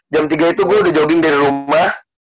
jam tiga itu gue di jogging dari rumah